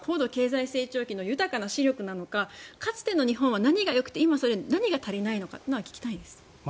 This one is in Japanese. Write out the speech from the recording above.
高度経済成長期の豊かな資力なのかかつての日本が何がよくて今、何が足りないのかを聞きたいです。